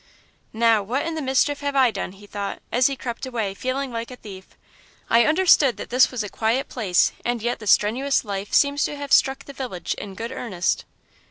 "Now what in the mischief have I done;" he thought, as he crept away, feeling like a thief. "I understood that this was a quiet place and yet the strenuous life seems to have struck the village in good earnest.